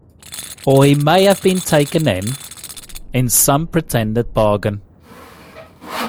Or he may have been taken in, in some pretended bargain.